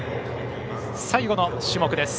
最後の種目です。